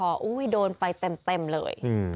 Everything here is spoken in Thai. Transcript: อุ้ยโดนไปเต็มเลย